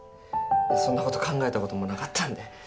いやそんなこと考えたこともなかったんで。